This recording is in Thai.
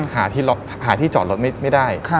หาที่จอดรถไม่ได้